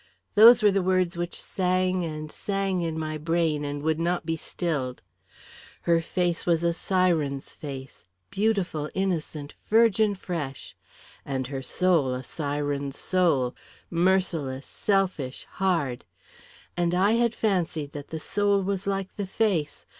Those were the words which sang and sang in my brain and would not be stilled. Her face was a siren's face beautiful, innocent, virgin fresh; and her soul a siren's soul merciless, selfish, hard. And I had fancied that the soul was like the face!